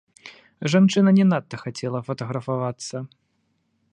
Жанчына не надта хацела фатаграфавацца.